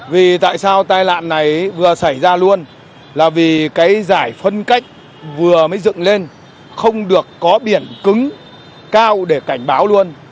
vì tại sao tai nạn này vừa xảy ra luôn là vì cái giải phân cách vừa mới dựng lên không được có biển cứng cao để cảnh báo luôn